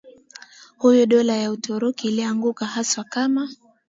huyu Dola ya Uturuki ilianguka haswa kama